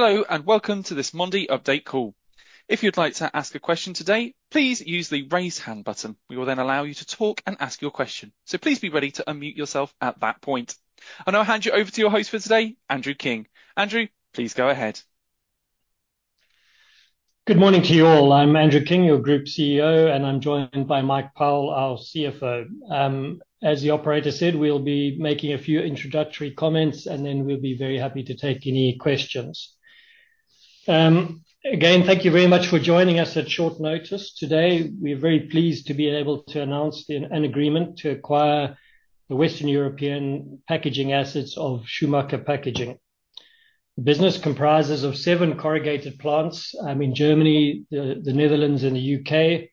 Hello, and welcome to this Mondi update call. If you'd like to ask a question today, please use the Raise Hand button. We will then allow you to talk and ask your question, so please be ready to unmute yourself at that point. I'll now hand you over to your host for today, Andrew King. Andrew, please go ahead. Good morning to you all. I'm Andrew King, your Group CEO, and I'm joined by Mike Powell, our CFO. As the operator said, we'll be making a few introductory comments, and then we'll be very happy to take any questions. Again, thank you very much for joining us at short notice today. We're very pleased to be able to announce an agreement to acquire the Western European packaging assets of Schumacher Packaging. The business comprises of seven corrugated plants in Germany, the Netherlands, and the U.K.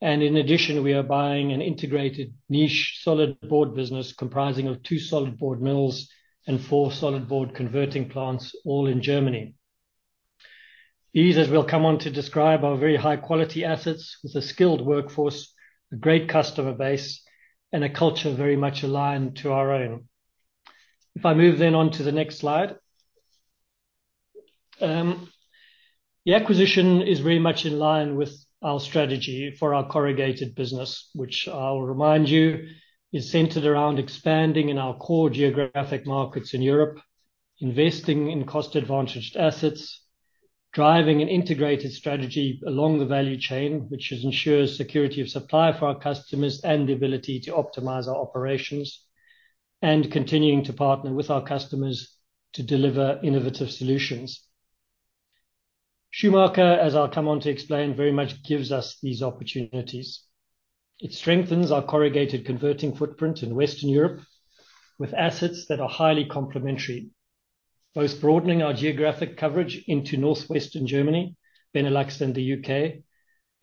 And in addition, we are buying an integrated niche solid board business comprising of two solid board mills and four solid board converting plants, all in Germany. These, as we'll come on to describe, are very high quality assets with a skilled workforce, a great customer base, and a culture very much aligned to our own. If I move then on to the next slide. The acquisition is very much in line with our strategy for our corrugated business, which I will remind you, is centered around expanding in our core geographic markets in Europe, investing in cost-advantaged assets, driving an integrated strategy along the value chain, which ensures security of supply for our customers and the ability to optimize our operations, and continuing to partner with our customers to deliver innovative solutions. Schumacher, as I'll come on to explain, very much gives us these opportunities. It strengthens our corrugated converting footprint in Western Europe, with assets that are highly complementary, both broadening our geographic coverage into northwestern Germany, Benelux, and the U.K.,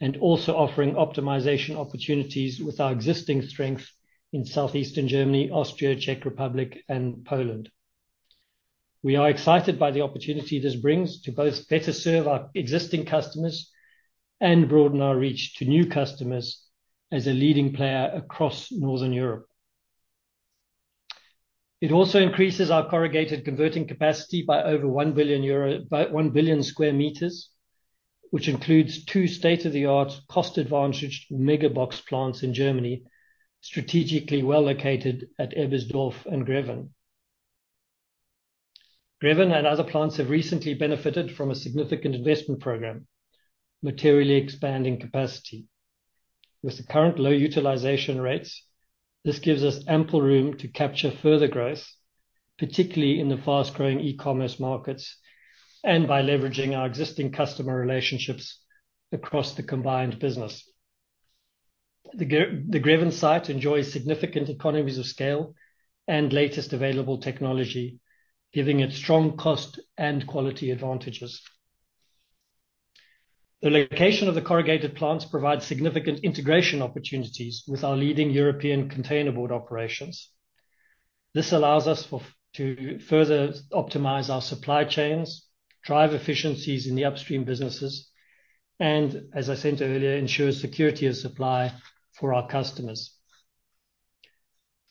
and also offering optimization opportunities with our existing strength in southeastern Germany, Austria, Czech Republic, and Poland. We are excited by the opportunity this brings to both better serve our existing customers and broaden our reach to new customers as a leading player across Northern Europe. It also increases our corrugated converting capacity by over one billion euro... one billion square meters, which includes two state-of-the-art, cost-advantaged mega box plants in Germany, strategically well-located at Ebersdorf and Greven. Greven and other plants have recently benefited from a significant investment program, materially expanding capacity. With the current low utilization rates, this gives us ample room to capture further growth, particularly in the fast-growing e-commerce markets, and by leveraging our existing customer relationships across the combined business. The Greven site enjoys significant economies of scale and latest available technology, giving it strong cost and quality advantages. The location of the corrugated plants provides significant integration opportunities with our leading European containerboard operations. This allows us to further optimize our supply chains, drive efficiencies in the upstream businesses, and, as I said earlier, ensure security of supply for our customers.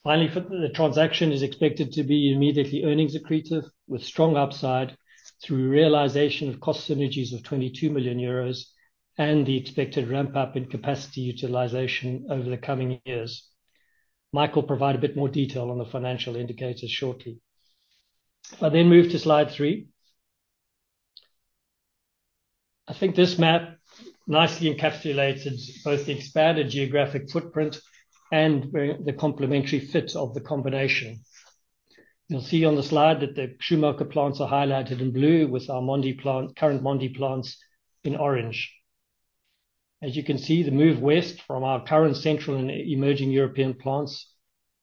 Finally, the transaction is expected to be immediately earnings accretive, with strong upside through realization of cost synergies of 22 million euros, and the expected ramp-up in capacity utilization over the coming years. Mike will provide a bit more detail on the financial indicators shortly. I'll then move to slide three. I think this map nicely encapsulates both the expanded geographic footprint and where the complementary fit of the combination. You'll see on the slide that the Schumacher plants are highlighted in blue, with our Mondi plant, current Mondi plants in orange. As you can see, the move west from our current central and emerging European plants,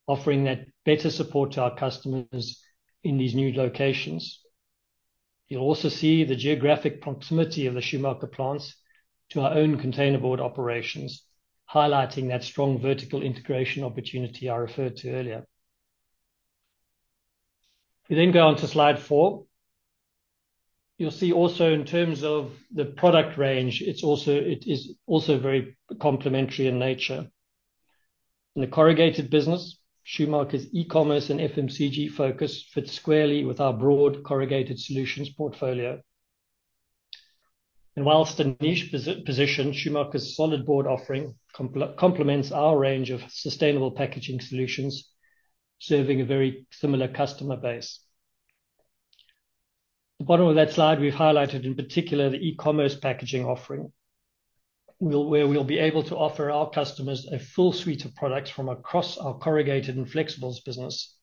offering that better support to our customers in these new locations. You'll also see the geographic proximity of the Schumacher plants to our own containerboard operations, highlighting that strong vertical integration opportunity I referred to earlier. We then go on to slide four. You'll see also in terms of the product range, it's also very complementary in nature. In the corrugated business, Schumacher's e-commerce and FMCG focus fits squarely with our broad corrugated solutions portfolio. While a niche position, Schumacher's solid board offering complements our range of sustainable packaging solutions, serving a very similar customer base. The bottom of that slide, we've highlighted in particular the e-commerce packaging offering, where we'll be able to offer our customers a full suite of products from across our corrugated and flexibles business,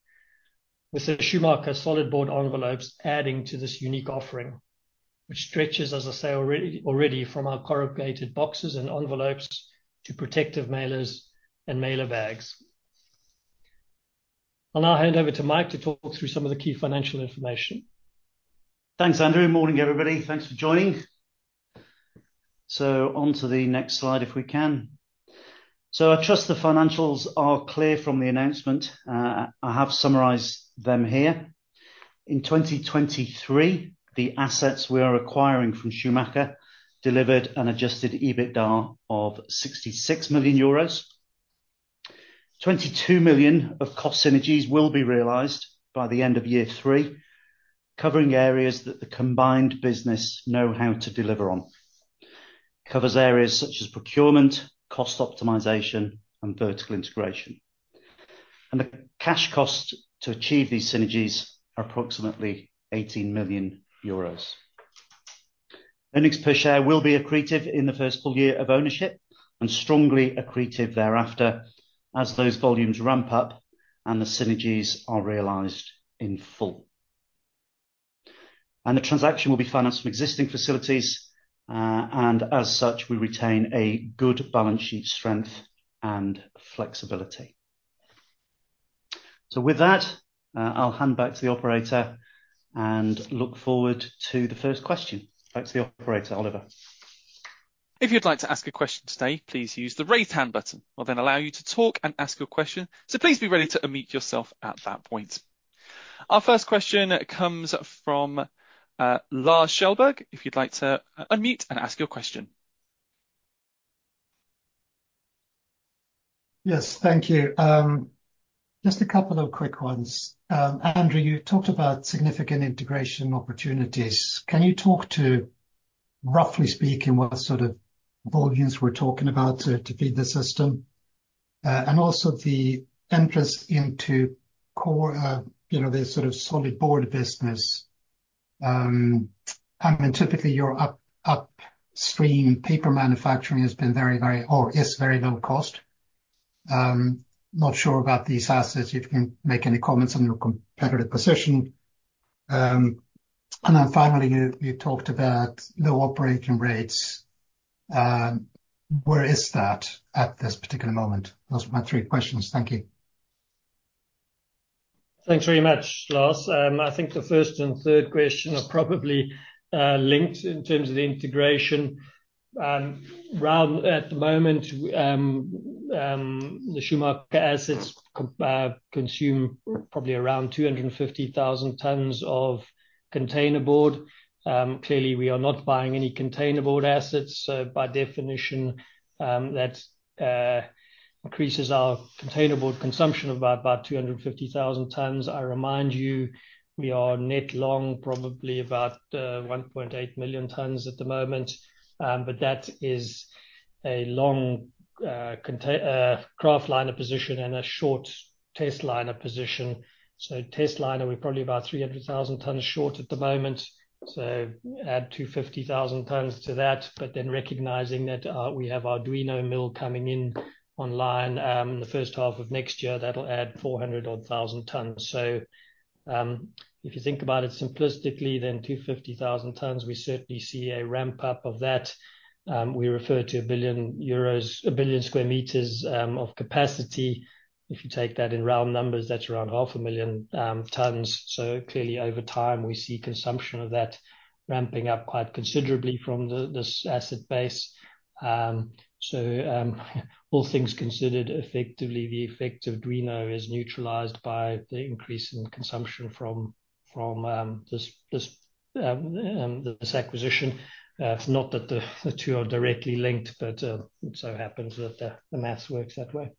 with the Schumacher solid board envelopes adding to this unique offering, which stretches, as I say, already from our corrugated boxes and envelopes to protective mailers and mailer bags. I'll now hand over to Mike to talk through some of the key financial information. Thanks, Andrew. Morning, everybody. Thanks for joining. So onto the next slide, if we can. So I trust the financials are clear from the announcement. I have summarized them here. In 2023, the assets we are acquiring from Schumacher delivered an adjusted EBITDA of 66 million euros.... 22 million of cost synergies will be realized by the end of year 3, covering areas that the combined business know how to deliver on. Covers areas such as procurement, cost optimization, and vertical integration. And the cash cost to achieve these synergies are approximately 18 million euros. Earnings per share will be accretive in the first full year of ownership, and strongly accretive thereafter as those volumes ramp up and the synergies are realized in full. And the transaction will be financed from existing facilities, and as such, we retain a good balance sheet strength and flexibility. So with that, I'll hand back to the operator and look forward to the first question. Back to the operator, Oliver. If you'd like to ask a question today, please use the Raise Hand button. I'll then allow you to talk and ask your question, so please be ready to unmute yourself at that point. Our first question comes from Lars Kjellberg. If you'd like to unmute and ask your question. Yes, thank you. Just a couple of quick ones. Andrew, you talked about significant integration opportunities. Can you talk to, roughly speaking, what sort of volumes we're talking about to feed the system? And also the entrance into core, you know, the sort of solid board business. I mean, typically, your upstream paper manufacturing has been very, very or is very low cost. Not sure about these assets, if you can make any comments on your competitive position. And then finally, you talked about low operating rates. Where is that at this particular moment? Those are my three questions. Thank you. Thanks very much, Lars. I think the first and third question are probably linked in terms of the integration. At the moment, the Schumacher assets consume probably around two hundred and fifty thousand tons of container board. Clearly, we are not buying any container board assets, so by definition, that increases our container board consumption about two hundred and fifty thousand tons. I remind you, we are net long, probably about one point eight million tons at the moment. But that is a long kraftliner position and a short testliner position. So testliner, we're probably about three hundred thousand tons short at the moment, so add two fifty thousand tons to that. But then recognizing that, we have our Duino mill coming online, the first half of next year, that'll add 400-odd thousand tons. So, if you think about it simplistically, then 250 thousand tons, we certainly see a ramp up of that. We refer to 1 billion euros, 1 billion square meters, of capacity. If you take that in round numbers, that's around 500,000 tons. So clearly, over time, we see consumption of that ramping up quite considerably from this asset base. So, all things considered, effectively, the effect of Duino is neutralized by the increase in consumption from this acquisition. It's not that the two are directly linked, but, it so happens that the math works that way.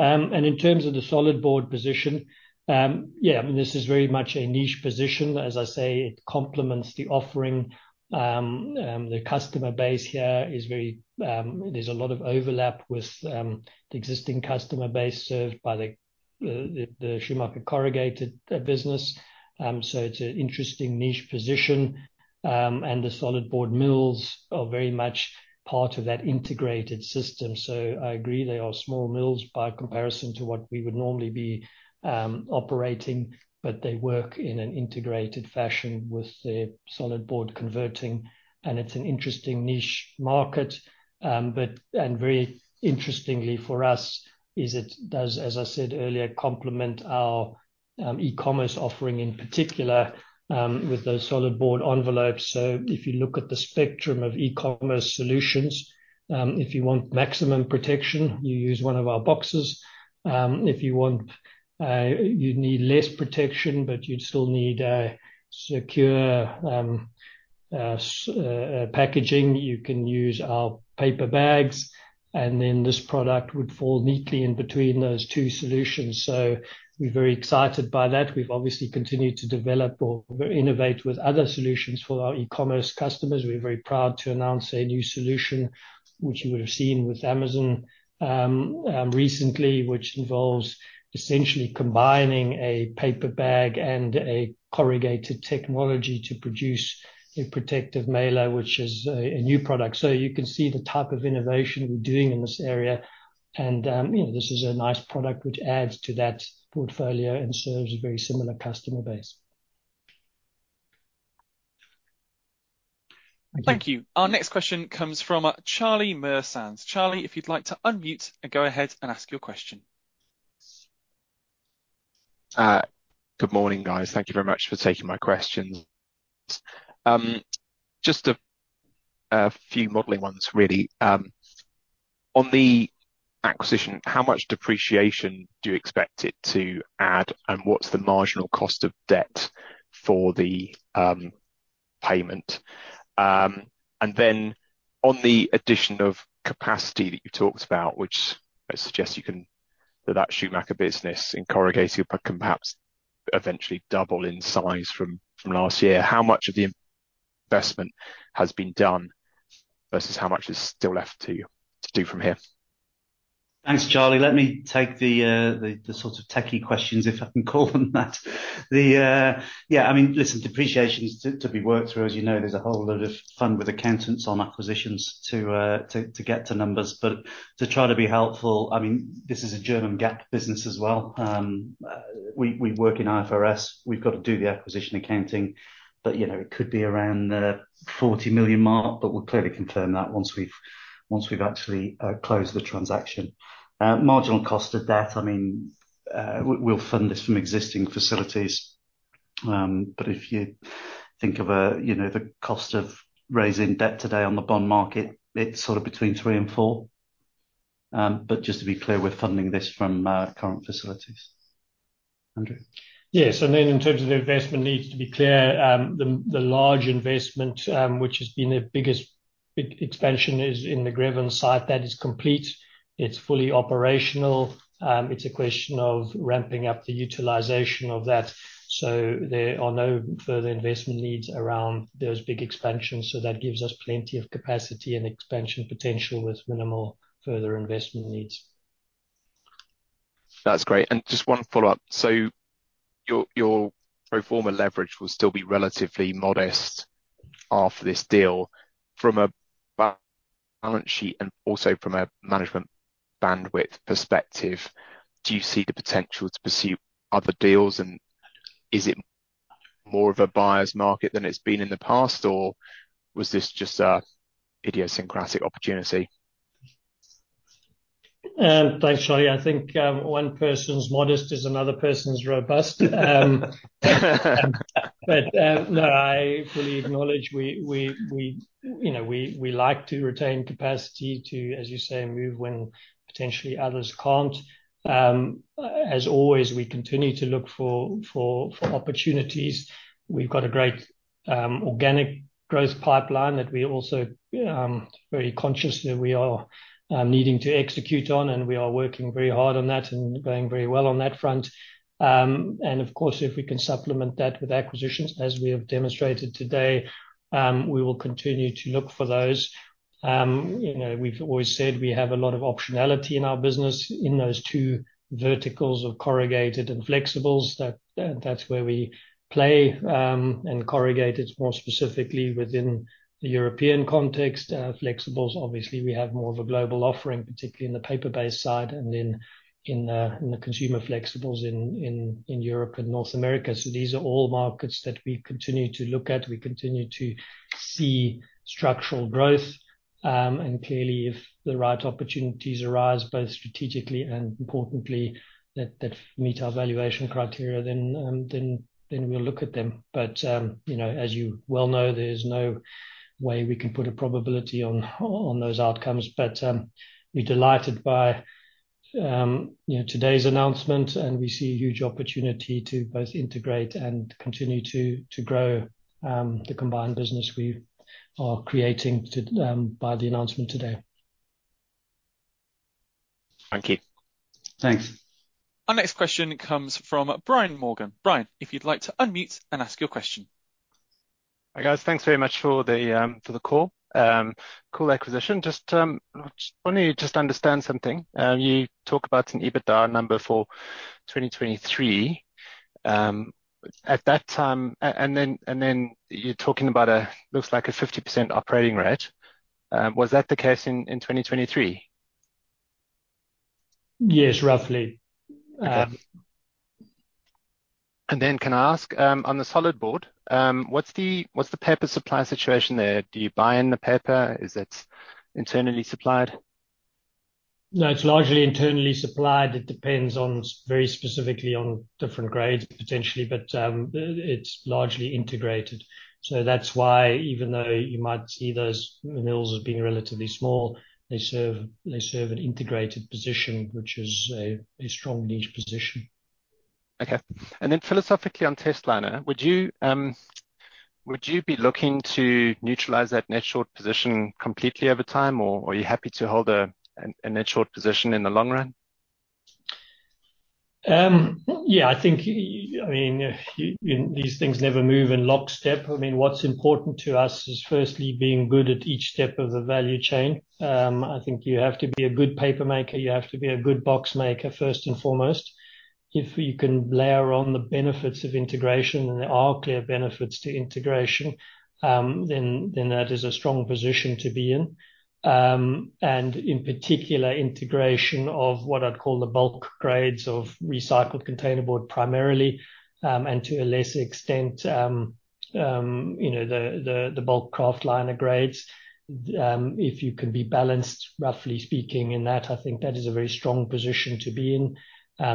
And in terms of the solid board position, yeah, I mean, this is very much a niche position. As I say, it complements the offering. The customer base here is very. There's a lot of overlap with the existing customer base served by the Schumacher corrugated business. So it's an interesting niche position, and the solid board mills are very much part of that integrated system. So I agree, they are small mills by comparison to what we would normally be operating, but they work in an integrated fashion with the solid board converting, and it's an interesting niche market. But, and very interestingly for us, it does, as I said earlier, complement our e-commerce offering, in particular, with those solid board envelopes. So if you look at the spectrum of e-commerce solutions, if you want maximum protection, you use one of our boxes. If you want, you need less protection, but you'd still need a secure, packaging, you can use our paper bags, and then this product would fall neatly in between those two solutions. So we're very excited by that. We've obviously continued to develop or innovate with other solutions for our e-commerce customers. We're very proud to announce a new solution, which you would have seen with Amazon, recently, which involves essentially combining a paper bag and a corrugated technology to produce a protective mailer, which is a new product. So you can see the type of innovation we're doing in this area, and, you know, this is a nice product which adds to that portfolio and serves a very similar customer base. Thank you. Our next question comes from Charlie Muir-Sands. Charlie, if you'd like to unmute and go ahead and ask your question. Good morning, guys. Thank you very much for taking my questions. Just a few modeling ones, really. On the acquisition, how much depreciation do you expect it to add, and what's the marginal cost of debt for the payment, and then on the addition of capacity that you talked about, which I suggest you can, that Schumacher business in corrugated can perhaps eventually double in size from last year. How much of the investment has been done versus how much is still left to do from here? Thanks, Charlie. Let me take the the sort of techie questions, if I can call them that. The yeah, I mean, listen, depreciation is to be worked through. As you know, there's a whole lot of fun with accountants on acquisitions to get to numbers. But to try to be helpful, I mean, this is a German GAAP business as well. We work in IFRS. We've got to do the acquisition accounting, but you know, it could be around the 40 million mark, but we'll clearly confirm that once we've actually closed the transaction. Marginal cost of debt, I mean, we'll fund this from existing facilities. But if you think of you know, the cost of raising debt today on the bond market, it's sort of between 3 and 4. But just to be clear, we're funding this from our current facilities. Andrew? Yes, and then in terms of the investment needs, to be clear, the large investment, which has been the biggest expansion, is in the Greven site. That is complete. It's fully operational. It's a question of ramping up the utilization of that. So there are no further investment needs around those big expansions, so that gives us plenty of capacity and expansion potential with minimal further investment needs. That's great. And just one follow-up: so your pro forma leverage will still be relatively modest after this deal. From a balance sheet and also from a management bandwidth perspective, do you see the potential to pursue other deals, and is it more of a buyer's market than it's been in the past, or was this just an idiosyncratic opportunity? Thanks, Charlie. I think, one person's modest is another person's robust. But, no, I fully acknowledge, we, you know, we like to retain capacity to, as you say, move when potentially others can't. As always, we continue to look for opportunities. We've got a great organic growth pipeline that we also very conscious that we are needing to execute on, and we are working very hard on that and going very well on that front. And of course, if we can supplement that with acquisitions, as we have demonstrated today, we will continue to look for those. You know, we've always said we have a lot of optionality in our business in those two verticals of corrugated and flexibles. That, that's where we play. And corrugated is more specifically within the European context. Flexibles, obviously, we have more of a global offering, particularly in the paper-based side and then in the consumer flexibles in Europe and North America. So these are all markets that we continue to look at. We continue to see structural growth, and clearly, if the right opportunities arise, both strategically and importantly, that meet our valuation criteria, then we'll look at them. But you know, as you well know, there's no way we can put a probability on those outcomes. But we're delighted by you know, today's announcement, and we see a huge opportunity to both integrate and continue to grow the combined business we are creating to by the announcement today. Thank you. Thanks. Our next question comes from Brian Morgan. Brian, if you'd like to unmute and ask your question. Hi, guys. Thanks very much for the call. Cool acquisition. Just wanna just understand something. You talk about an EBITDA number for 2023. At that time... and then you're talking about what looks like a 50% operating rate. Was that the case in 2023? Yes, roughly. Okay. And then can I ask, on the solid board, what's the paper supply situation there? Do you buy in the paper? Is it internally supplied? No, it's largely internally supplied. It depends on, very specifically on different grades, potentially, but it's largely integrated. So that's why even though you might see those mills as being relatively small, they serve an integrated position, which is a strong niche position. Okay. And then philosophically, on testliner, would you be looking to neutralize that net short position completely over time, or are you happy to hold a net short position in the long run? Yeah, I think, I mean, these things never move in lockstep. I mean, what's important to us is firstly being good at each step of the value chain. I think you have to be a good paper maker, you have to be a good box maker first and foremost. If you can layer on the benefits of integration, and there are clear benefits to integration, then that is a strong position to be in. And in particular, integration of what I'd call the bulk grades of recycled containerboard primarily, and to a lesser extent, you know, the bulk kraftliner grades. If you can be balanced, roughly speaking, in that, I think that is a very strong position to be in.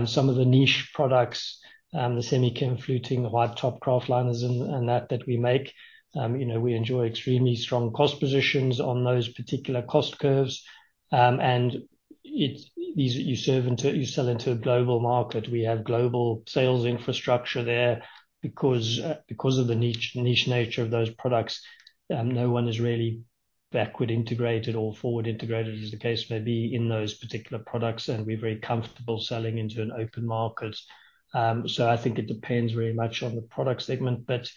Some of the niche products, the semi-chemical fluting, the white top kraftliners and that we make, you know, we enjoy extremely strong cost positions on those particular cost curves. And these you sell into a global market. We have global sales infrastructure there because of the niche nature of those products, no one is really backward integrated or forward integrated, as the case may be, in those particular products, and we're very comfortable selling into an open market. So I think it depends very much on the product segment. But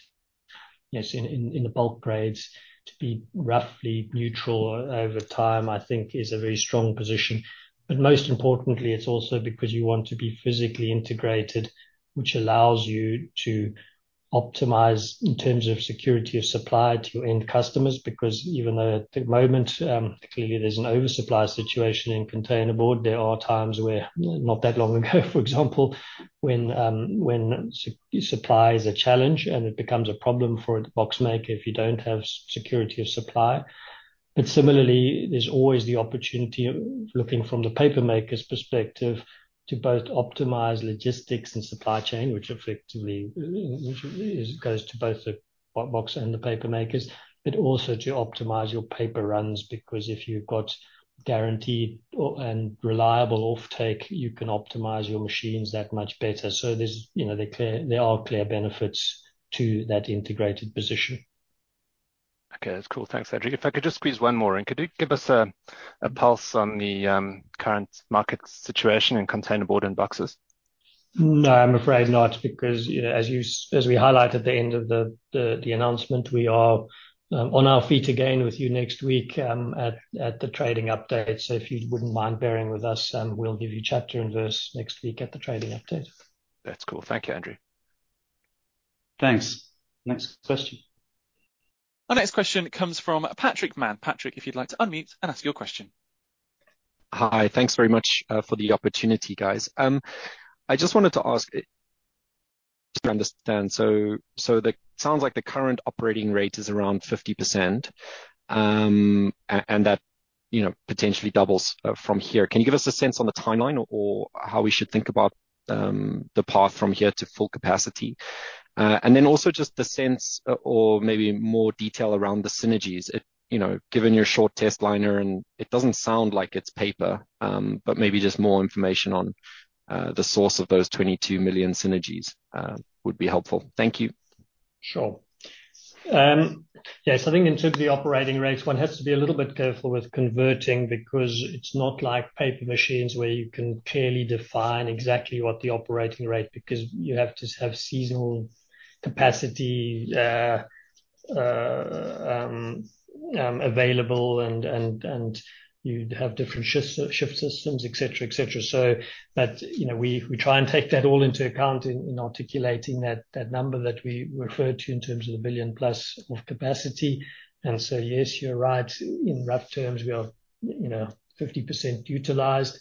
yes, in the bulk grades, to be roughly neutral over time, I think is a very strong position. But most importantly, it's also because you want to be physically integrated, which allows you to optimize in terms of security of supply to your end customers. Because even though at the moment, clearly there's an oversupply situation in container board, there are times where, not that long ago, for example, when supply is a challenge, and it becomes a problem for a box maker if you don't have security of supply. But similarly, there's always the opportunity, looking from the paper maker's perspective, to both optimize logistics and supply chain, which effectively, which is, goes to both the box and the paper makers, but also to optimize your paper runs, because if you've got guaranteed and reliable offtake, you can optimize your machines that much better. So there's, you know, there are clear benefits to that integrated position. Okay, that's cool. Thanks, Andrew. If I could just squeeze one more in. Could you give us a pulse on the current market situation in containerboard and boxes? No, I'm afraid not. Because, you know, as we highlighted at the end of the announcement, we are on our feet again with you next week at the trading update. So if you wouldn't mind bearing with us, we'll give you chapter and verse next week at the trading update. That's cool. Thank you, Andrew. Thanks. Next question. Our next question comes from Patrick Mann. Patrick, if you'd like to unmute and ask your question. Hi. Thanks very much for the opportunity, guys. I just wanted to ask to understand, so sounds like the current operating rate is around 50%, and that, you know, potentially doubles from here. Can you give us a sense on the timeline or how we should think about the path from here to full capacity? And then also just the sense or maybe more detail around the synergies. It, you know, given your short testliner, and it doesn't sound like it's paper, but maybe just more information on the source of those 22 million synergies would be helpful. Thank you. Sure. Yes, I think in terms of the operating rates, one has to be a little bit careful with converting, because it's not like paper machines, where you can clearly define exactly what the operating rate, because you have to have seasonal capacity available, and you'd have different shifts, shift systems, et cetera, et cetera. So but, you know, we try and take that all into account in articulating that number that we referred to in terms of the billion-plus of capacity. And so, yes, you're right. In rough terms, we are, you know, 50% utilized.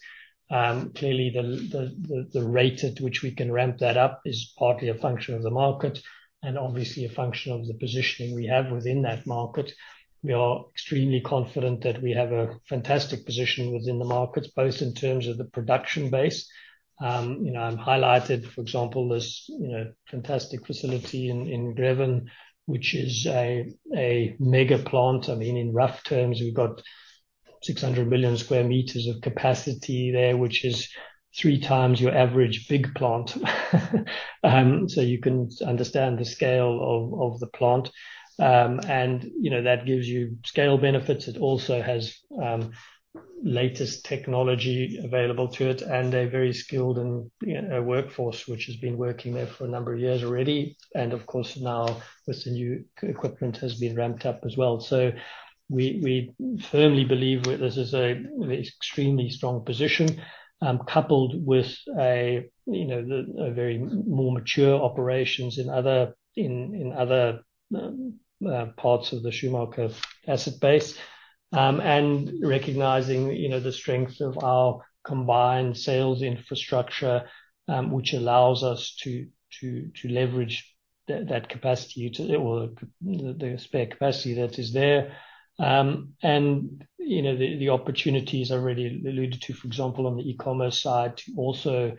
Clearly, the rate at which we can ramp that up is partly a function of the market and obviously a function of the positioning we have within that market. We are extremely confident that we have a fantastic position within the market, both in terms of the production base. You know, I've highlighted, for example, this, you know, fantastic facility in Greven, which is a mega plant. I mean, in rough terms, we've got 600 million square meters of capacity there, which is three times your average big plant. So you can understand the scale of the plant. And, you know, that gives you scale benefits. It also has latest technology available to it and a very skilled and, you know, a workforce, which has been working there for a number of years already, and of course, now with the new equipment, has been ramped up as well. So we firmly believe this is an extremely strong position, coupled with, you know, a very more mature operations in other parts of the Schumacher asset base. And recognizing, you know, the strength of our combined sales infrastructure, which allows us to leverage that capacity to or the spare capacity that is there. And, you know, the opportunities I already alluded to, for example, on the e-commerce side, also,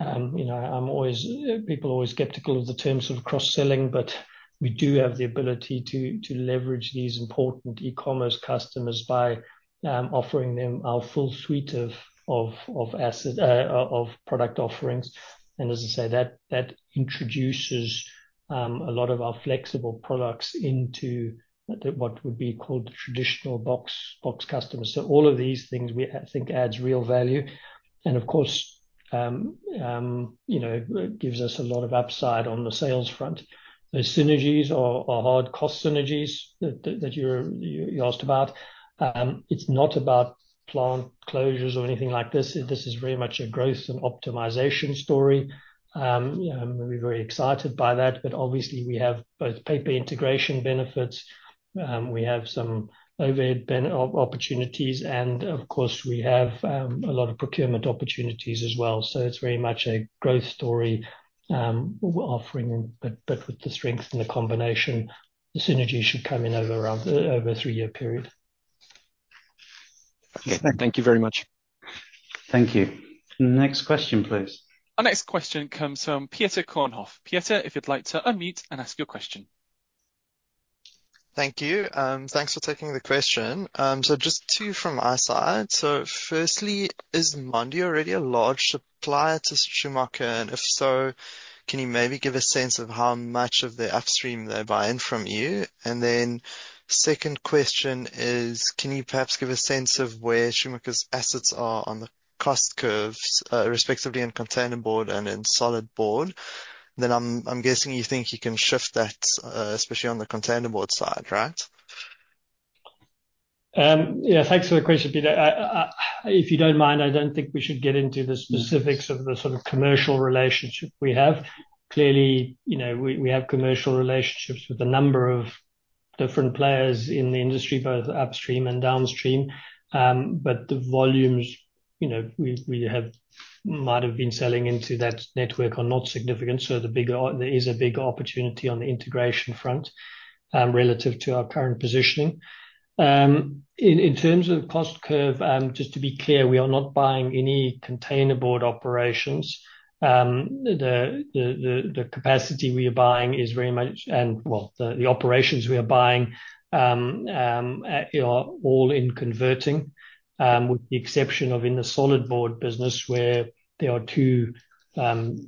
you know, people are always skeptical of the terms of cross-selling, but we do have the ability to leverage these important e-commerce customers by offering them our full suite of product offerings. And as I say, that introduces a lot of our flexible products into what would be called traditional box customers. So all of these things, we think adds real value, and of course, you know, gives us a lot of upside on the sales front. The synergies are hard cost synergies that you asked about. It's not about plant closures or anything like this. This is very much a growth and optimization story. Yeah, we're very excited by that, but obviously we have both paper integration benefits. We have some overhead opportunities, and of course, we have a lot of procurement opportunities as well. It's very much a growth story. We're offering, but with the strength and the combination, the synergy should come in over a three-year period. Thank you very much. Thank you. Next question, please. Our next question comes from Pieter Koornhof. Pieter, if you'd like to unmute and ask your question. ... Thank you. Thanks for taking the question. So just two from our side. So firstly, is Mondi already a large supplier to Schumacher? And if so, can you maybe give a sense of how much of the upstream they're buying from you? And then second question is, can you perhaps give a sense of where Schumacher's assets are on the cost curves, respectively in containerboard and in solid board? Then I'm guessing you think you can shift that, especially on the containerboard side, right? Yeah, thanks for the question, Pieter. If you don't mind, I don't think we should get into the specifics of the sort of commercial relationship we have. Clearly, you know, we have commercial relationships with a number of different players in the industry, both upstream and downstream. But the volumes, you know, we might have been selling into that network are not significant, so there is a bigger opportunity on the integration front, relative to our current positioning. In terms of cost curve, just to be clear, we are not buying any containerboard operations. The capacity we are buying is very much... The operations we are buying are all in converting, with the exception of in the solid board business, where there are two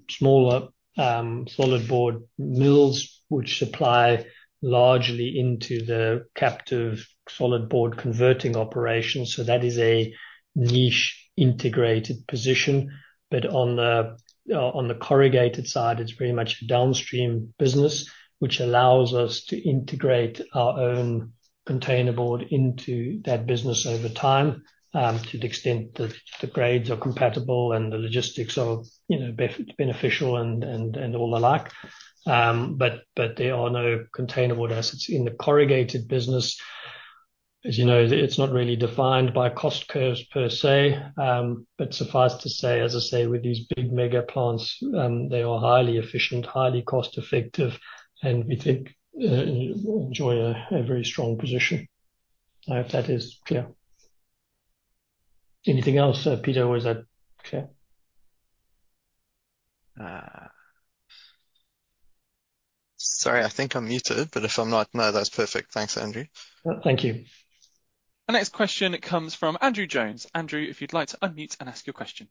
smaller solid board mills, which supply largely into the captive solid board converting operations. So that is a niche integrated position. But on the corrugated side, it's very much downstream business, which allows us to integrate our own containerboard into that business over time, to the extent that the grades are compatible and the logistics are, you know, beneficial and all the like. But there are no containerboard assets in the corrugated business. As you know, it's not really defined by cost curves per se, but suffice to say, as I say, with these big mega plants, they are highly efficient, highly cost effective, and we think, enjoy a very strong position. I hope that is clear. Anything else, Pieter, or is that clear? Sorry, I think I'm muted, but if I'm not, no, that's perfect. Thanks, Andrew. Thank you. Our next question comes from Andrew Jones. Andrew, if you'd like to unmute and ask your question.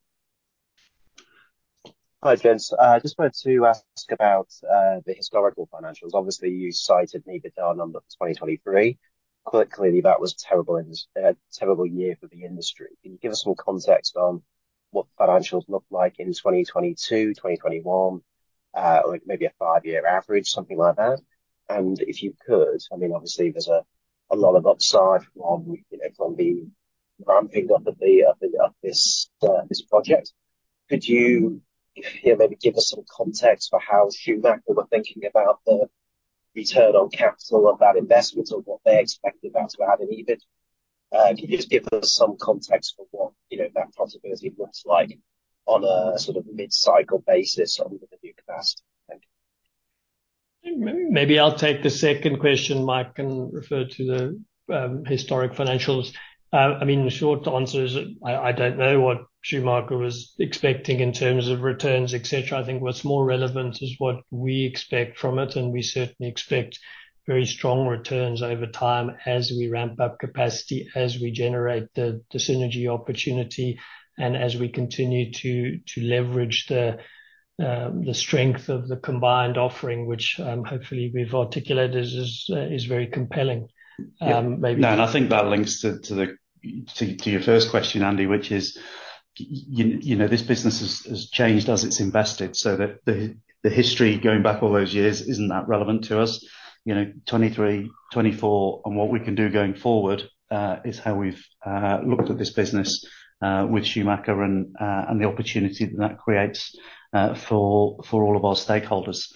Hi, gents. I just wanted to ask about the historical financials. Obviously, you cited the EBITDA number for 2023. Quite clearly, that was terrible in terrible year for the industry. Can you give us some context on what the financials looked like in 2022, 2021, like maybe a five-year average, something like that? And if you could, I mean, obviously there's a lot of upside from, you know, from the ramping up of this project. Could you, you know, maybe give us some context for how Schumacher were thinking about the return on capital of that investment or what they expected that to add in EBIT? Can you just give us some context for what, you know, that possibility looks like on a sort of mid-cycle basis on the new capacity? Thank you. Maybe I'll take the second question, Mike, and refer to the historic financials. I mean, the short answer is, I don't know what Schumacher was expecting in terms of returns, et cetera. I think what's more relevant is what we expect from it, and we certainly expect very strong returns over time as we ramp up capacity, as we generate the synergy opportunity, and as we continue to leverage the strength of the combined offering, which hopefully we've articulated is very compelling. Maybe- No, and I think that links to your first question, Andy, which is, you know, this business has changed as it's invested, so the history going back all those years isn't that relevant to us. You know, 2023, 2024, and what we can do going forward is how we've looked at this business with Schumacher and the opportunity that creates for all of our stakeholders.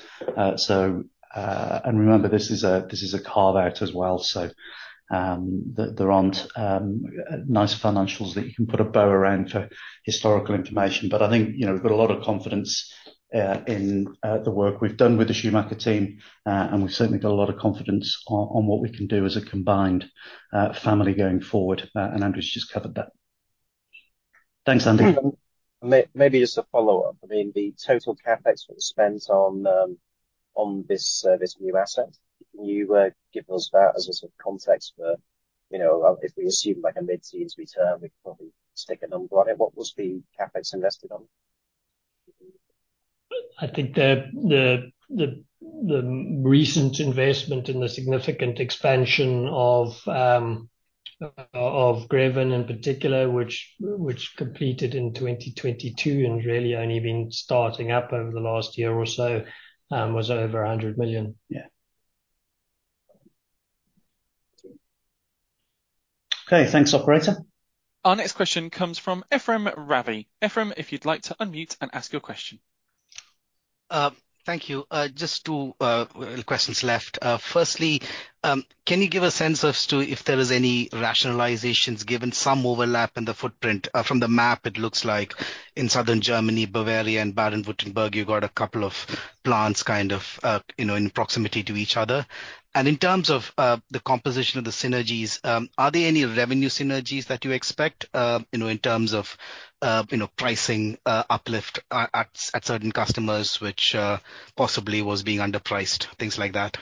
Remember, this is a carve-out as well, so there aren't nice financials that you can put a bow around for historical information. But I think, you know, we've got a lot of confidence in the work we've done with the Schumacher team, and we've certainly got a lot of confidence on what we can do as a combined family going forward. And Andrew's just covered that. Thanks, Andrew. Maybe just a follow-up. I mean, the total CapEx that was spent on this new asset, can you give us that as a sort of context for, you know, if we assume, like, a mid-teens return, we can probably stick a number on it. What was the CapEx invested on? I think the recent investment and the significant expansion of Greven in particular, which completed in twenty twenty-two and really only been starting up over the last year or so, was over 100 million. Yeah. Okay, thanks, operator. Our next question comes from Ephrem Ravi. Ephrem, if you'd like to unmute and ask your question. Thank you. Just two questions left. Firstly, can you give a sense as to if there is any rationalizations given some overlap in the footprint? From the map, it looks like in southern Germany, Bavaria and Baden-Württemberg, you've got a couple of plants kind of, you know, in proximity to each other. And in terms of the composition of the synergies, are there any revenue synergies that you expect, you know, in terms of, you know, pricing uplift at certain customers, which possibly was being underpriced, things like that?...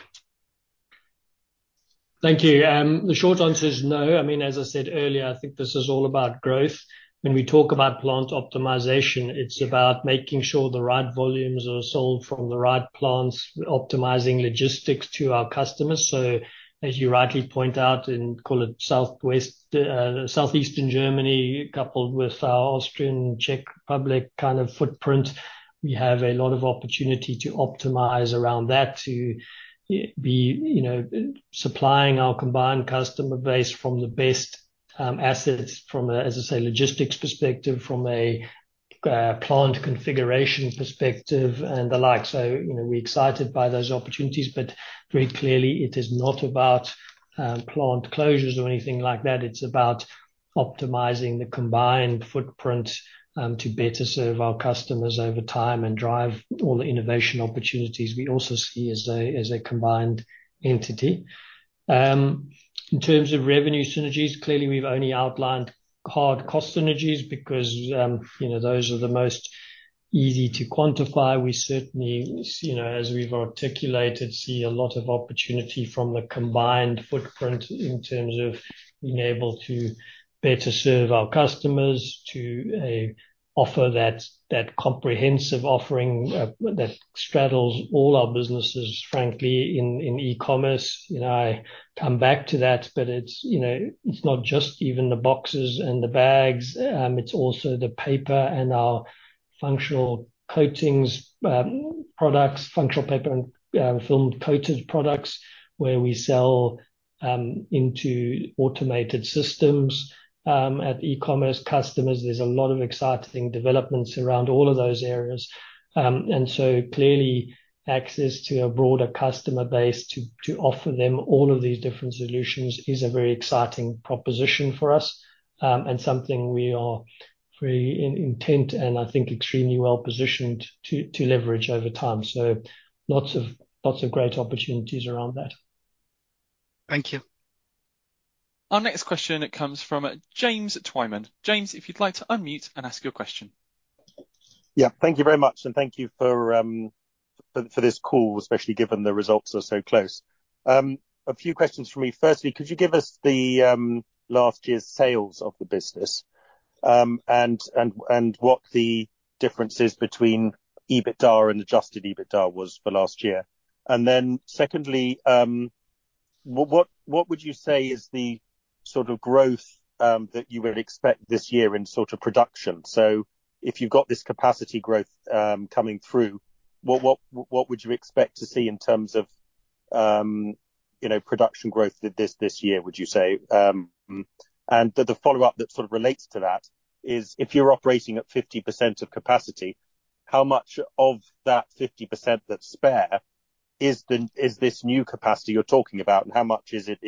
Thank you. The short answer is no. I mean, as I said earlier, I think this is all about growth. When we talk about plant optimization, it's about making sure the right volumes are sold from the right plants, optimizing logistics to our customers. So as you rightly point out, and call it southwest, southeastern Germany, coupled with our Austrian, Czech Republic kind of footprint, we have a lot of opportunity to optimize around that, to be, you know, supplying our combined customer base from the best assets from a, as I say, logistics perspective, from a plant configuration perspective, and the like. So, you know, we're excited by those opportunities, but very clearly it is not about plant closures or anything like that. It's about optimizing the combined footprint to better serve our customers over time and drive all the innovation opportunities we also see as a combined entity. In terms of revenue synergies, clearly we've only outlined hard cost synergies because, you know, those are the most easy to quantify. We certainly, you know, as we've articulated, see a lot of opportunity from the combined footprint in terms of being able to better serve our customers, to offer that comprehensive offering that straddles all our businesses, frankly, in e-commerce. You know, I come back to that, but it's, you know, it's not just even the boxes and the bags, it's also the paper and our functional coatings products, functional paper and film-coated products where we sell into automated systems. At e-commerce customers, there's a lot of exciting developments around all of those areas, and so clearly, access to a broader customer base to offer them all of these different solutions is a very exciting proposition for us, and something we are very intent and I think extremely well positioned to leverage over time, so lots of great opportunities around that. Thank you. Our next question comes from James Twyman. James, if you'd like to unmute and ask your question. Yeah. Thank you very much, and thank you for this call, especially given the results are so close. A few questions from me. Firstly, could you give us the last year's sales of the business, and what the differences between EBITDA and adjusted EBITDA was for last year? And then secondly, what would you say is the sort of growth that you would expect this year in sort of production? So if you've got this capacity growth coming through, what would you expect to see in terms of, you know, production growth this year, would you say? And the follow-up that sort of relates to that is, if you're operating at 50% of capacity, how much of that 50% that's spare is the... Is this new capacity you're talking about, and how much is it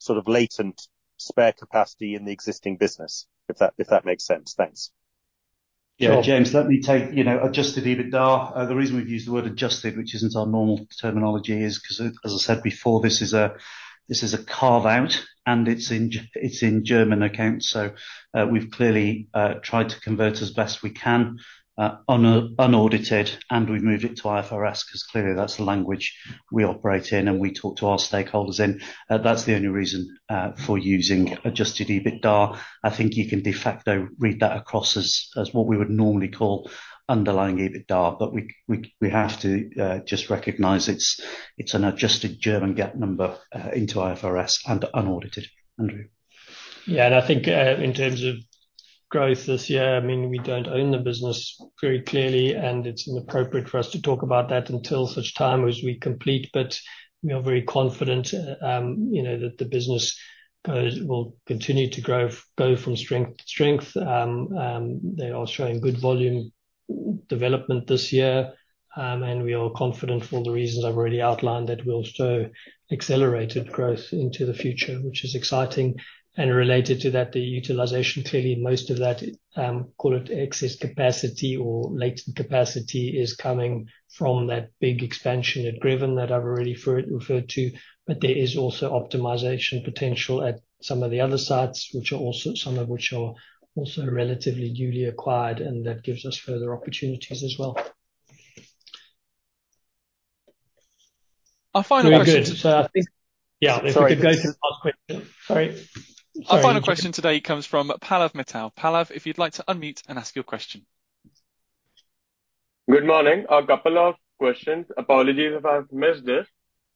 sort of latent spare capacity in the existing business? If that makes sense. Thanks. Yeah, James, let me take, you know, adjusted EBITDA. The reason we've used the word adjusted, which isn't our normal terminology, is because as I said before, this is a, this is a carve-out, and it's in German accounts, so, we've clearly tried to convert as best we can, unaudited, and we've moved it to IFRS, because clearly that's the language we operate in and we talk to our stakeholders in. That's the only reason for using adjusted EBITDA. I think you can de facto read that across as what we would normally call underlying EBITDA, but we have to just recognize it's an adjusted German GAAP number into IFRS and unaudited. Andrew? Yeah, and I think, in terms of growth this year, I mean, we don't own the business very clearly, and it's inappropriate for us to talk about that until such time as we complete. But we are very confident, you know, that the business goes, will continue to grow, go from strength to strength. They are showing good volume development this year, and we are confident for all the reasons I've already outlined, that we'll show accelerated growth into the future, which is exciting. And related to that, the utilization, clearly most of that, call it excess capacity or latent capacity, is coming from that big expansion at Greven that I've already referred to. But there is also optimization potential at some of the other sites, which are also, some of which are also relatively newly acquired, and that gives us further opportunities as well. Our final question. Very good. So I think... Yeah. Sorry. If we could go to the last question. Sorry. Our final question today comes from Pallav Mittal. Pallav, if you'd like to unmute and ask your question. Good morning. A couple of questions. Apologies if I've missed this.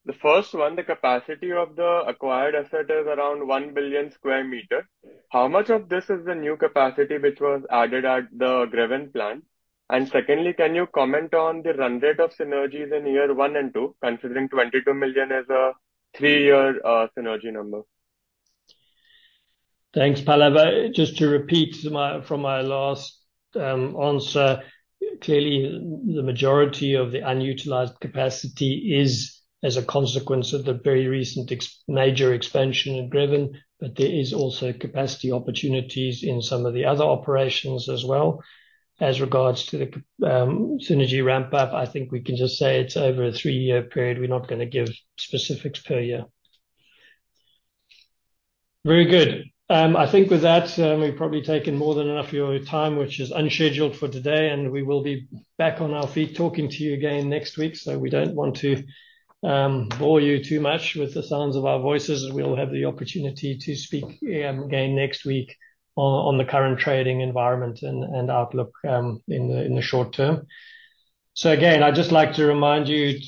The first one, the capacity of the acquired asset is around one billion square meters. How much of this is the new capacity which was added at the Greven plant? And secondly, can you comment on the run rate of synergies in year one and two, considering twenty-two million is a three-year synergy number? Thanks, Pallav. Just to repeat from my last answer, clearly, the majority of the unutilized capacity is as a consequence of the very recent expansion in Greven, but there is also capacity opportunities in some of the other operations as well. As regards to the synergy ramp up, I think we can just say it's over a three-year period. We're not gonna give specifics per year. Very good. I think with that, we've probably taken more than enough of your time, which is unscheduled for today, and we will be back on our feet talking to you again next week. So we don't want to bore you too much with the sounds of our voices. We'll have the opportunity to speak again next week on the current trading environment and outlook in the short term. So again, I'd just like to remind you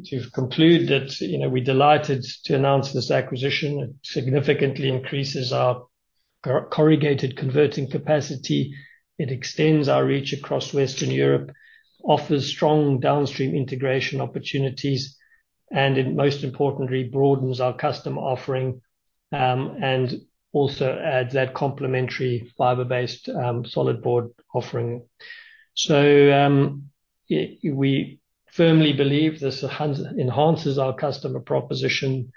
to conclude that, you know, we're delighted to announce this acquisition. It significantly increases our corrugated converting capacity, it extends our reach across Western Europe, offers strong downstream integration opportunities, and it most importantly, broadens our customer offering, and also adds that complementary fiber-based solid board offering. So we firmly believe this enhances our customer proposition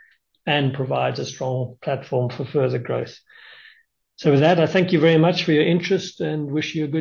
and provides a strong platform for further growth. So with that, I thank you very much for your interest and wish you a good-